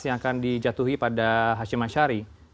yang akan dijatuhi pada hashim ashari